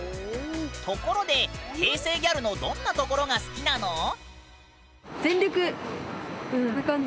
ところで平成ギャルのどんなところが好きなの？